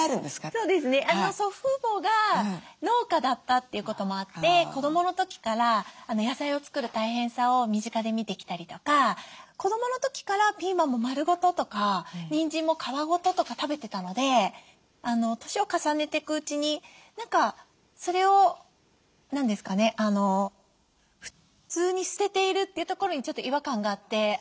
そうですね祖父母が農家だったということもあって子どもの時から野菜を作る大変さを身近で見てきたりとか子どもの時からピーマンも丸ごととかにんじんも皮ごととか食べてたので年を重ねていくうちに何かそれを何ですかね普通に捨てているっていうところにちょっと違和感があって。